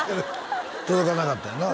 届かなかったんよな？